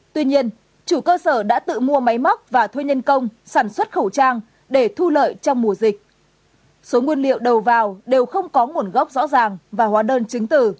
tuy nhiên chủ cơ sở đã tự mua máy móc và thuê nhân công sản xuất khẩu trang để thu lợi trong mùa dịch